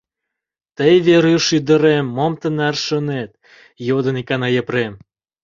— Тый, Веруш ӱдырем, мом тынар шонет? — йодын икана Епрем.